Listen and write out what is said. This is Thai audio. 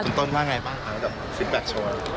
คุณต้นว่าไงบ้างคะแบบ๑๘ชั่ว